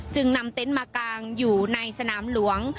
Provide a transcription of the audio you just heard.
จึงนำเต็นต์มากางอยู่ในสนามหลวง